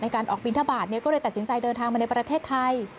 การออกบินทบาทก็เลยตัดสินใจเดินทางมาในประเทศไทย